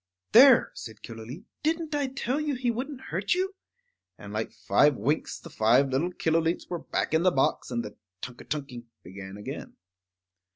"There!" said Killooleet, "didn't I tell you he wouldn't hurt you?" And like five winks the five little Killooleets were back in the box, and the tunk a tunking began again.